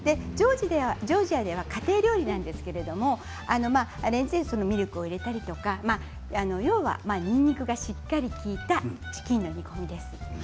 ジョージアでは家庭料理なんですけどミルクを入れたりとかようはにんにくがしっかり利いたチキンの煮込みです。